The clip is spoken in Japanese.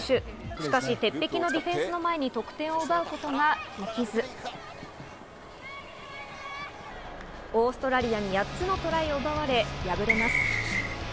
しかし鉄壁のディフェンスの前に得点を奪うことができず、オーストラリアに８つのトライを奪われ敗れます。